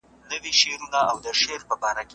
د دولت مصارف نن ورځ مولد او ګټور ګڼل کيږي.